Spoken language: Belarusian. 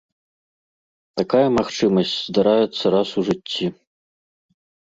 Такая магчымасць здараецца раз у жыцці.